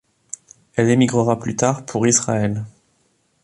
Elle émigrera plus tard pour Israël.